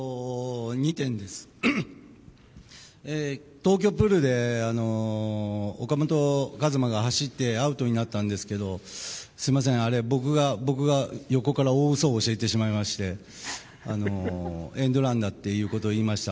東京プールで岡本和真が走ってアウトになったんですけどすみません、あれ、僕が横から大嘘を教えてしまいましてエンドランだということを言いました。